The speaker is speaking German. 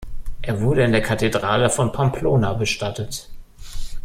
Er wurde in der Kathedrale von Pamplona bestattet.